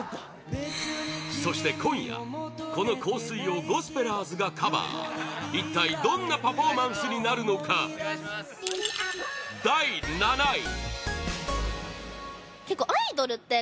そして今夜、この「香水」をゴスペラーズがカバー一体どんなパフォーマンスになるのか第７位